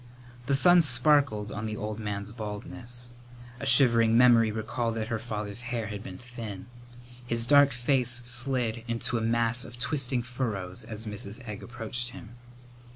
The sun sparkled on the old man's baldness. A shivering memory recalled that her father's hair had been thin. His dark face slid into a mass of twisting furrows as Mrs. Egg approached him.